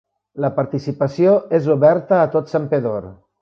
La participació és oberta a tot Santpedor.